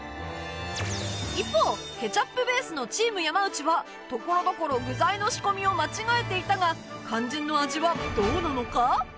一方ケチャップベースのチーム山内はところどころ具材の仕込みを間違えていたが肝心の味はどうなのか？